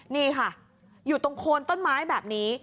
นี่ค่ะอยู่ตรงโคนต้นไม้แบบนี้